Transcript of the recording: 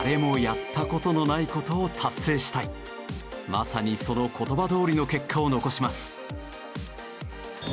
まさにその言葉どおりの結果を残します。